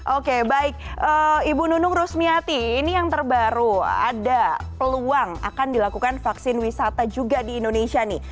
oke baik ibu nunung rusmiati ini yang terbaru ada peluang akan dilakukan vaksin wisata juga di indonesia nih